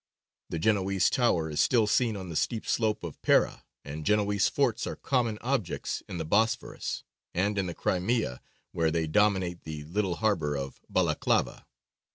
The Genoese tower is still seen on the steep slope of Pera, and Genoese forts are common objects in the Bosphorus, and in the Crimea, where they dominate the little harbour of Balaklava.